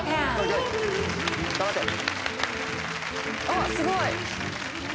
あっすごい！